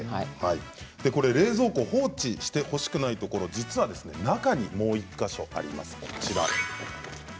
冷蔵庫を放置してほしくないところ実は中に、もう１か所あります。